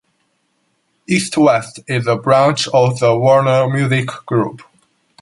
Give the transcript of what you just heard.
East West is a branch of the Warner Music Group.